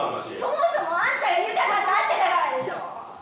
「そもそもあんたがユカさんと会ってたからでしょう」